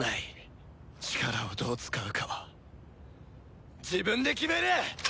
力をどう使うかは自分で決める！